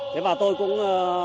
thế và tôi cũng